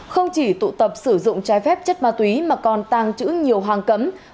không chỉ tụ tập sử dụng trái phép chất ma túy mà còn tàng trữ nhiều hàng cấm